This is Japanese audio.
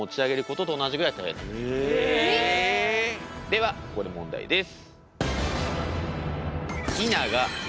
ではここで問題です。